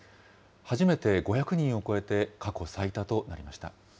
初めて５００人を超えて過去最多となりました。